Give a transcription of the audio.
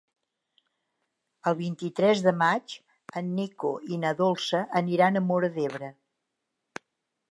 El vint-i-tres de maig en Nico i na Dolça aniran a Móra d'Ebre.